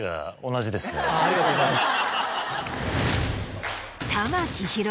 ありがとうございます。